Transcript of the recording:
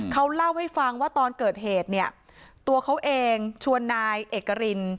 เขาเล่าให้ฟังว่าตอนเกิดเหตุเขาเองชวนนายเอ็กกะริน